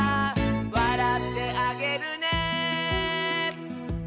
「わらってあげるね」